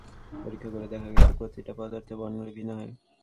পরীক্ষা করে দেখা গেছে, প্রতিটা পদার্থের বর্ণালি ভিন্ন হয়।